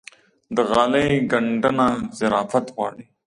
د غالۍ ګنډنه ظرافت غواړي.